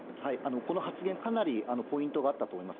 この発言、かなりポイントがあったと思います。